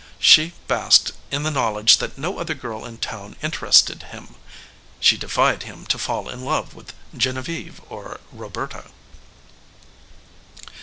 She basked in the knowledge that no other girl in town interested him; she defied him to fall in love with Genevieve or Roberta.